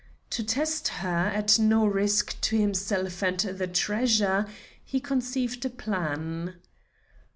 To test her, at no risk to himself and the treasure, he conceived a plan.